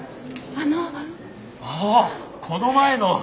ああこの前の！